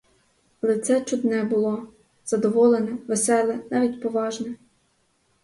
Лице чудне було: задоволене, веселе, навіть поважне.